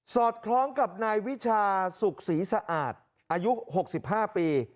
อดคล้องกับนายวิชาสุขศรีสะอาดอายุ๖๕ปี